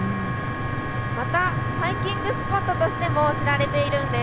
また、ハイキングスポットとしても知られているんです。